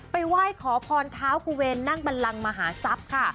ไหว้ขอพรเท้ากุเวนนั่งบันลังมหาทรัพย์ค่ะ